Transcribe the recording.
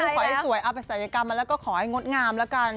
ขอให้สวยเอาไปศัลยกรรมมาแล้วก็ขอให้งดงามแล้วกัน